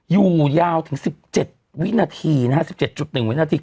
อยู่ยาวถึง๑๗วินาทีนะฮะ๑๗๑วินาที